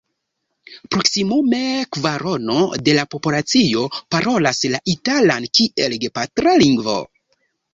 Proksimume kvarono de la populacio parolas la italan kiel gepatra lingvo.